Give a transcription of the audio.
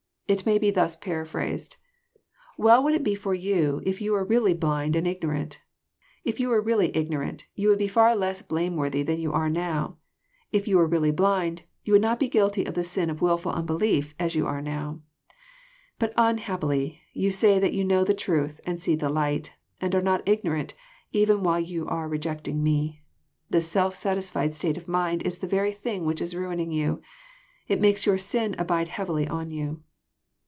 It may be thns paraphrased :" Well would it be for you, if you were really blind and ignorant. If yon were really ignorant, you would be far less blameworthy than you are now. If you were really blind, you would not be guilty of the sin of wilful unbelief as you are now. But, unhappily, you say that you know the truth, and see the light, and are not ignorant, even while you are rejecting Me. This self satisfled state of mind Is the very thing which is ruining you. It makes your sin abide heavily on you."